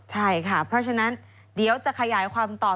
ใช่ค่ะเพราะฉะนั้นเดี๋ยวจะขยายความตอบ